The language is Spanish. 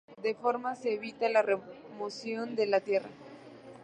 De esta forma se evita la remoción de la tierra.